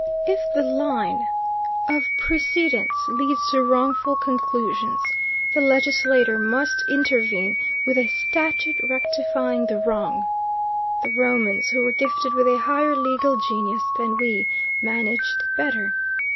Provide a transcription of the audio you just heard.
If the line of precedents leads to wrongful conclusions, the legislature must intervene with a statute rectifying the wrong. The Romans, who were gifted with a higher legal genius than we, managed better.